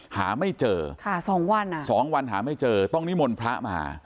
หาไม่เจอค่ะสองวันอ่ะ๒วันหาไม่เจอต้องนิมนต์พระมา